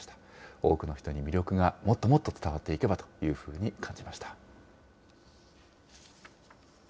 多くの人に魅力がもっともっと伝わっていけばというふうに感じました。